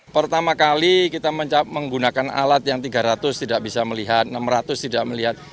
pertama kali kita menggunakan alat yang tiga ratus tidak bisa melihat enam ratus tidak melihat